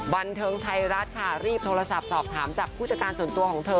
บันเทิงไทยรัฐค่ะรีบโทรศัพท์สอบถามจากผู้จัดการส่วนตัวของเธอ